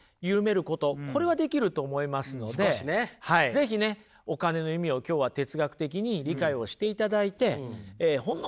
是非ねお金の意味を今日は哲学的に理解をしていただいてえほんの